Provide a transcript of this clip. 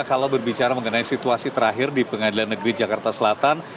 kalau berbicara mengenai situasi terakhir di pengadilan negeri jakarta selatan